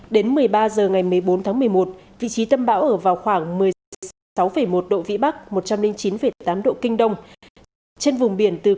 đến một mươi ba h ngày một mươi bốn tháng một mươi một vị trí tâm bão ở vào khoảng một mươi sáu một độ vĩ bắc một trăm một mươi bốn km